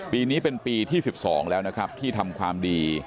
ปีนี้เป็นปีที่๑๒แล้วนะครับที่ทำความดี